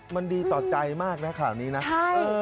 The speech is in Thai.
มันดีต่อใจมากนะข่าวนี้นะใช่